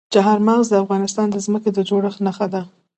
چار مغز د افغانستان د ځمکې د جوړښت نښه ده.